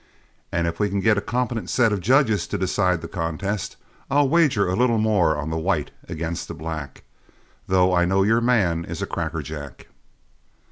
And if we can get a competent set of judges to decide the contest, I'll wager a little more on the white against the black, though I know your man is a cracker jack."